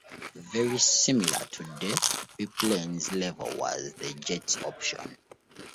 Very similar to the Biplanes level, was the Jets option.